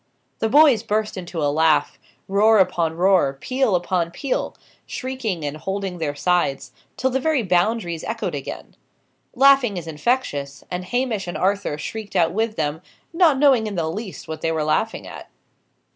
The boys burst into a laugh; roar upon roar, peal upon peal; shrieking and holding their sides, till the very Boundaries echoed again. Laughing is infectious, and Hamish and Arthur shrieked out with them, not knowing in the least what they were laughing at.